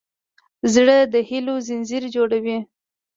زړه د هيلو ځنځیر جوړوي.